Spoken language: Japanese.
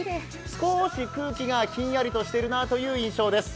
少し空気がひんやりとしているなという印象です。